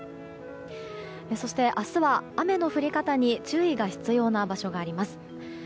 そして明日は雨の降り方に注意が必要な場所があります。